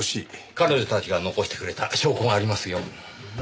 彼女たちが残してくれた証拠がありますよ。